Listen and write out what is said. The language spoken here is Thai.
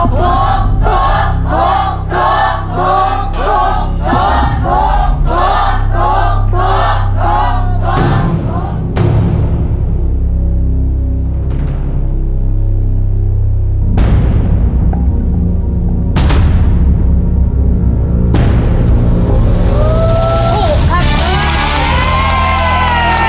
ถูก